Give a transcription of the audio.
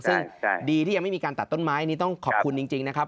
ซึ่งดีที่ยังไม่มีการตัดต้นไม้นี้ต้องขอบคุณจริงนะครับ